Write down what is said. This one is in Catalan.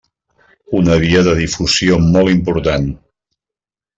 Una via de difusió molt important.